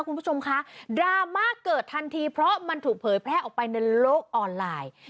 คุณผู้ชมคะดราม่าเกิดทันทีเพราะมันถูกเผยแพร่ออกไปในโลกออนไลน์